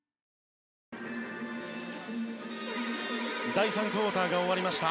第３クオーターが終わりました。